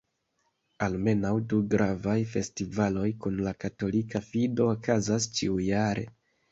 Almenaŭ du gravaj festivaloj kun la katolika fido okazas ĉiujare.